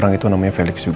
orang itu namanya felix yuga